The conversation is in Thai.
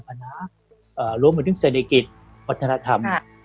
ปัญหารวมอยู่ในเศรษฐกิจมัธนธรรม